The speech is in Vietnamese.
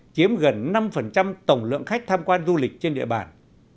chiếm gần năm tổng lượng khách tham quan du lịch trên địa bàn